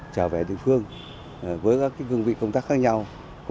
trở về địa phương với các gương vị công tác khác nhau